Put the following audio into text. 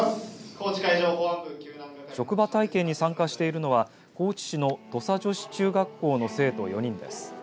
職場体験に参加しているのは高知市の土佐女子中学校の生徒４人です。